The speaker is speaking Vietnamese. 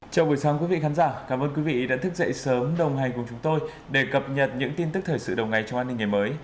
chào buổi sáng quý vị khán giả cảm ơn quý vị đã thức dậy sớm đồng hành cùng chúng tôi để cập nhật những tin tức thời sự đầu ngày trong an ninh ngày mới